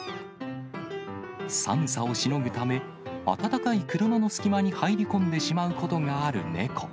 寒さをしのぐため、暖かい車の隙間に入り込んでしまうことがある猫。